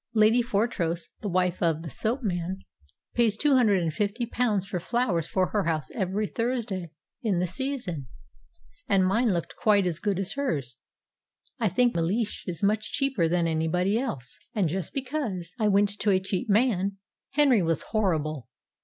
Lady Fortrose, the wife of the soap man, pays two hundred and fifty pounds for flowers for her house every Thursday in the season; and mine looked quite as good as hers. I think Mellish is much cheaper than anybody else. And, just because I went to a cheap man, Henry was horrible.